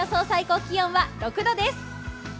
最高気温は６度です。